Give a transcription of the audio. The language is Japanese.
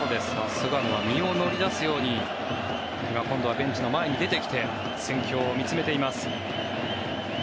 菅野は身を乗り出すように今度はベンチの前に出てきて戦況を見つめています。